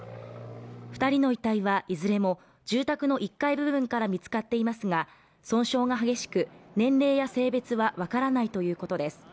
２人の遺体はいずれも住宅の１階部分から見つかっていますが、損傷が激しく、年齢や性別は分からないということです。